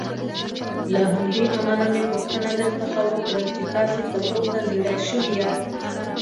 له همدې امله مې پوښتنه درڅخه وکړل چې تاسې تراوسه ژېړی شوي یاست.